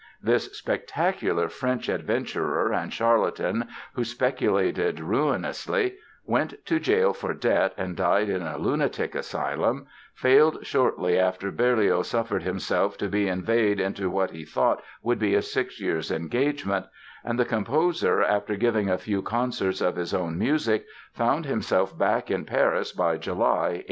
This spectacular French adventurer and charlatan, who speculated ruinously, went to jail for debt and died in a lunatic asylum, failed shortly after Berlioz suffered himself to be inveigled into what he thought would be a six years' engagement; and the composer, after giving a few concerts of his own music, found himself back in Paris by July, 1848.